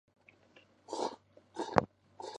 亨利尝试让他们通过电话联系考雷什。